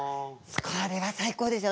これは最高ですよ。